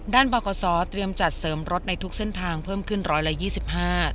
ด้านปรากฏศเตรียมจัดเสริมรถในทุกเส้นทางเพิ่มขึ้น๑๒๕ล้านบาท